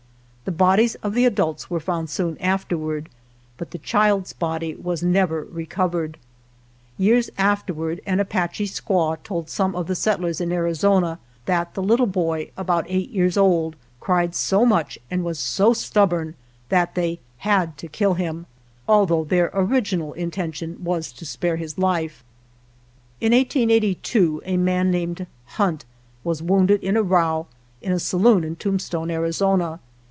The bodies of the adults were found soon afterward, but the child's body was never recovered. Years afterwards, an Apache squaw told some of the settlers in Arizona that the little boy 90 OTHER RAIDS (about eight years old) cried so much and was so stubborn that they had to kill him, although their original intention was to spare his life. In 1882 a man named Hunt was wounded in a row in a saloon in Tombstone, Arizona.